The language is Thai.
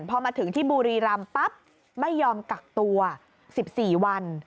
พอมาถึงที่บุรีรำปั๊บไม่ยอมกักตัว๑๔วัน